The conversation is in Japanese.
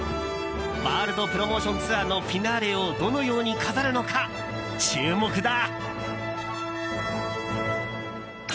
ワールドプロモーションツアーのフィナーレをどのように飾るのか注目だ。